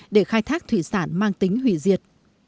để khai thác thủy sản mang tính hủy diệt